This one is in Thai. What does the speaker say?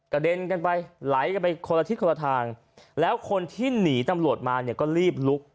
เด็นกันไปไหลกันไปคนละทิศคนละทางแล้วคนที่หนีตำรวจมาเนี่ยก็รีบลุก